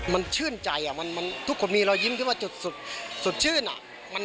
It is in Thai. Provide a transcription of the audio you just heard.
มันชื่นใจทุกคนมีรอยยิ้มที่ว่าจุดสดชื่นอะ